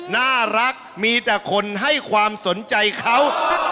น่ารักมีแต่คนให้ความสนใจเขา